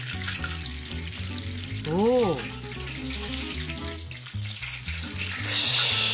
おお。よし！